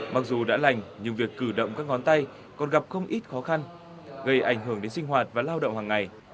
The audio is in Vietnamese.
mặc dù đã lành nhưng việc cử động các ngón tay còn gặp không ít khó khăn gây ảnh hưởng đến sinh hoạt và lao động hàng ngày